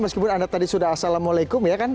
meskipun anda tadi sudah assalamualaikum ya kan